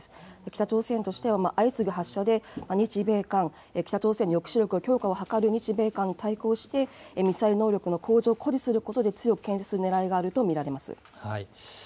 北朝鮮としては相次ぐ発射で、日米韓、北朝鮮に抑止力の向上を図る日米韓に対して、ミサイル能力の向上を誇示することで、強くけん制するねらいがあると見られます。